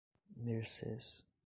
Mercês